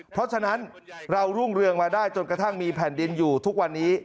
เพราะฉะนั้นเรารุ่งเรืองมาได้จนกระทั่งมีแผ่นดินอยู่ทุกวันนี้